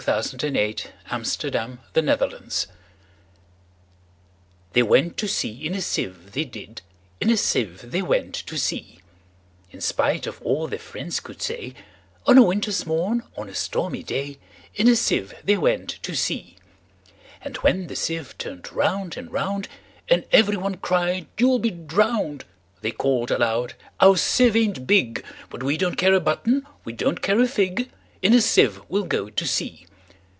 1895. Edward Lear 1812–88 The Jumblies Lear Edw THEY went to sea in a sieve, they did; In a sieve they went to sea; In spite of all their friends could say, On a winter's morn, on a stormy day, In a sieve they went to sea. And when the sieve turn'd round and round, And every one cried, "You 'll be drown'd!"They call'd aloud, "Our sieve ain't big:But we don't care a button; we don't care a fig:In a sieve we 'll go to sea!"